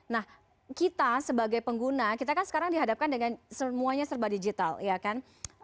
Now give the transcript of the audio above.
nah kita sebagai pengguna kita kan sekarang dihadapkan dengan semuanya serba digital ya kan